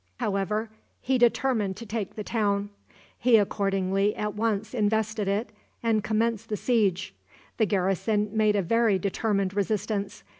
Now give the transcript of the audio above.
However, he determined to take the town. He accordingly at once invested it, and commenced the siege. The garrison made a very determined resistance.